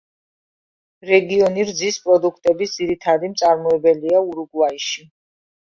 რეგიონი რძის პროდუქტების ძირითადი მწარმოებელია ურუგვაიში.